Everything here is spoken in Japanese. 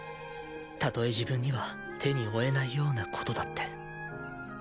たとえ自分には手に負えないようなことだって。